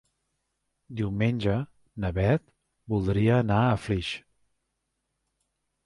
Diumenge na Beth voldria anar a Flix.